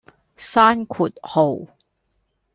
閂括號